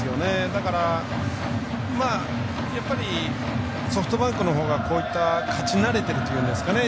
だから、やっぱりソフトバンクのほうが勝ち慣れてるというんですかね。